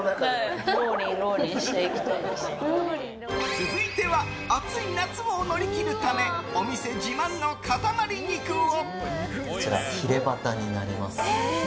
続いては暑い夏を乗り切るためお店自慢の塊肉を。